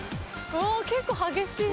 お結構激しい。